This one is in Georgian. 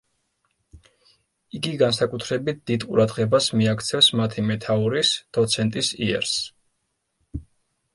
იგი განსაკუთრებით დიდ ყურადღებას მიაქცევს მათი მეთაურის, დოცენტის იერს.